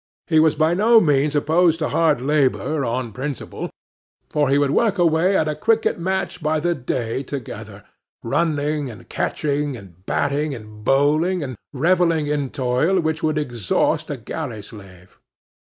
He was by no means opposed to hard labour on principle, for he would work away at a cricket match by the day together,—running, and catching, and batting, and bowling, and revelling in toil which would exhaust a galley slave.